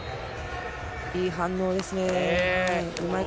いい反応ですね。